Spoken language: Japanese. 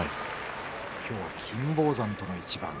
今日は金峰山との一番。